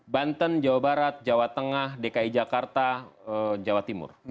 banten jawa barat jawa tengah dki jakarta jawa timur